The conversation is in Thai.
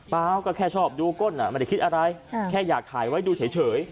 เปล่าก็แค่ชอบดูก้นไม่ได้คิดอะไรแค่อยากถ่ายไว้ดูเฉย